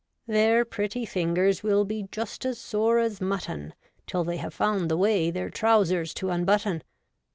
Their pretty fingers will Be just as sore as mutton Till they have found the way Their trousers to unbutton.